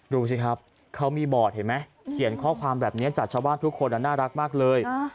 ดูสิครับเขามีบอร์ดเห็นไหมเขียนข้อความแบบนี้จากชาวบ้านทุกคนน่ารักมากเลย